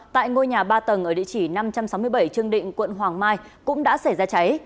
tại ngôi nhà ba tầng ở địa chỉ năm trăm sáu mươi bảy trương định quận hoàng mai cũng đã xảy ra cháy